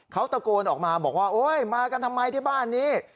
เขาตะโกนออกมาบอกว่าโอ๊ยมากันทำไมที่บ้านนี้